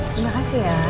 terima kasih ya